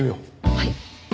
はい。